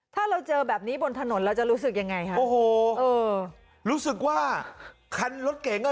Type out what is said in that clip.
ถ้าเราเจอแบบนี้บนถนนเราจะรู้สึกยังไงคะโอ้โหเออรู้สึกว่าคันรถเก๋งอ่ะ